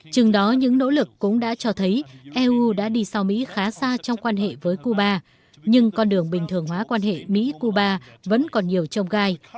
chừng đó những nỗ lực cũng đã cho thấy eu đã đi sau mỹ khá xa trong quan hệ với cuba nhưng con đường bình thường hóa quan hệ mỹ cuba vẫn còn nhiều trông gai